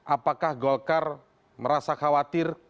apakah golkar merasa khawatir